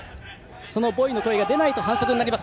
ボイの声が出ないと反則になります。